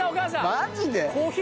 マジで？